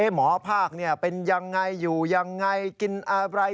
หมอภาคเป็นอย่างไรอยู่อย่างไรกินอะไร